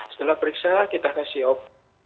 setelah periksa kita kasih op